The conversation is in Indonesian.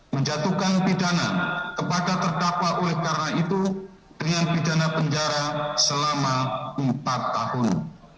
menjatuhkan pidana kepada terdakwa oleh karena itu dengan pidana penjara selama empat tahun